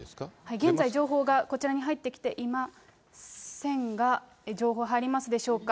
現在、情報がこちらに入ってきていませんが、情報、入りますでしょうか。